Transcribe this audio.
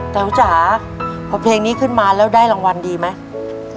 แต๋วจ๋าพอเพลงนี้ขึ้นมาแล้วได้รางวัลดีไหม